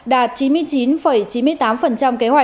đạt chín mươi chín chín mươi tám kế hoạch